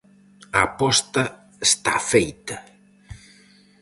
A aposta está feita.